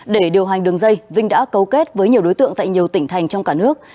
để điều hành đường dây vinh đã cấu kết với nhiều đối tượng tại nhiều tỉnh thành trong cả nước